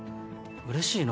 うれしいな。